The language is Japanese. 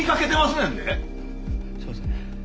すんません。